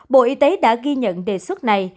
bộ y tế đã ghi nhận đề xuất này